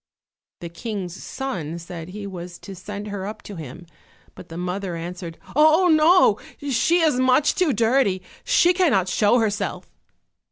The King's son said he was to send her up to him; but the mother answered, "Oh, no, she is much too dirty, she cannot show herself!"